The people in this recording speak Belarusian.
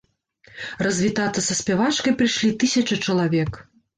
Развітацца са спявачкай прыйшлі тысячы чалавек.